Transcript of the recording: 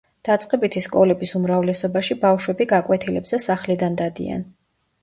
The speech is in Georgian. დაწყებითი სკოლების უმრავლესობაში ბავშვები გაკვეთილებზე სახლიდან დადიან.